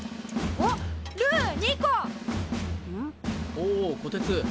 おおこてつ！